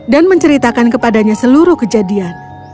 dan menceritakan kepadanya seluruh kejadian